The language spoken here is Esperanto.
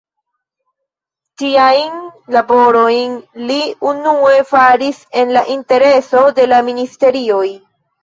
Tiajn laborojn li unue faris en la intereso de la ministerioj.